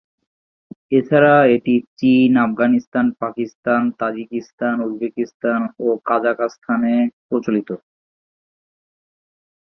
এছাড়া এটি চীন, আফগানিস্তান, পাকিস্তান, তাজিকিস্তান, উজবেকিস্তান ও কাজাখস্তানে প্রচলিত।